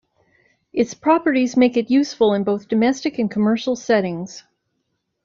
Its properties make it useful in both domestic and commercial settings.